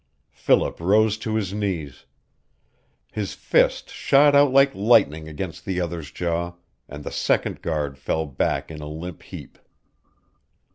Philip rose to his knees. His fist shot out like lightning against the other's jaw, and the second guard fell back in a limp heap.